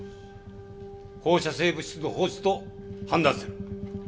放射性物質の放出と判断する。